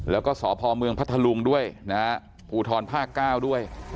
แล้วก็สพเมืองพัทธลุงด้วยนะฮะภูทรภาค๙ด้วย